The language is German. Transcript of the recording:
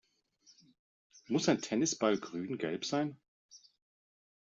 Muss ein Tennisball grüngelb sein?